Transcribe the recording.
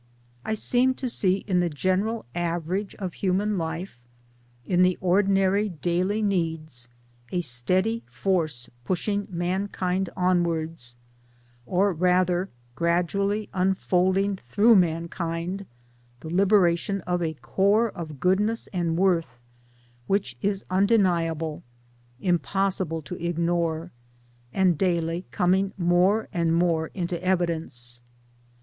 I seem to see in the general average of human life, in the ordinary daily needs, a steady force pushing mankind onwards, or rather, gradually unfolding through mankind the liberation of a core of goodness and worth which is undeniable, impossible to ignore, and daily coming more and more into evidence.